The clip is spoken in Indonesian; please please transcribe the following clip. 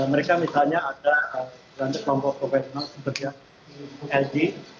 mereka misalnya ada berantem kompor komunal seperti lg